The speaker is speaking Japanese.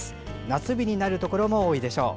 夏日になるところも多いでしょう。